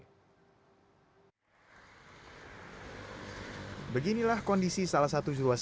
jalur mudik di jalan nasional sidoarjo hingga mojokerto jawa timur terus diperbaiki